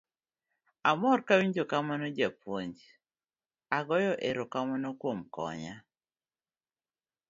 Amor kawinjo kamano japuonj, agoyo ero kamano kuom konya.